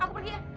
aku pergi ya